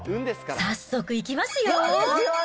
早速いきますよ。